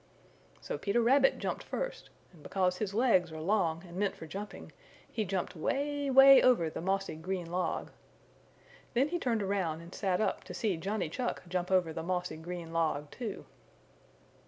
So Peter Rabbit jumped first, and because his legs are long and meant for jumping, he jumped way, way over the mossy green log. Then he turned around and sat up to see Johnny Chuck jump over the mossy green log, too.